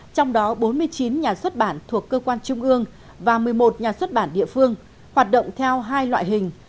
trong đó bốn mươi chín nhà xuất bản thuộc cơ quan trung ương và một mươi một nhà xuất bản địa phương hoạt động theo hai loại hình